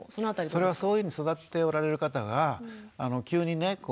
それはそういうふうに育っておられる方が急にね